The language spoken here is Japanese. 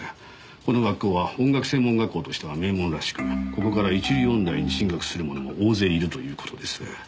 この学校は音楽専門学校としては名門らしくここから一流音大に進学する者も大勢いるという事です。